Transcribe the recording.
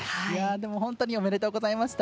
でも本当におめでとうございました。